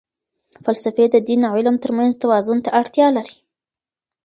فلسفې د دین او علم ترمنځ توازن ته اړتیا لري.